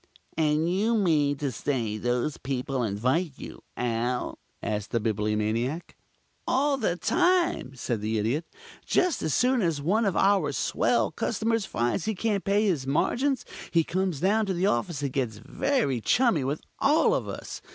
"And do you mean to say those people invite you out?" asked the Bibliomaniac. "All the time," said the Idiot. "Just as soon as one of our swell customers finds he can't pay his margins he comes down to the office and gets very chummy with all of us.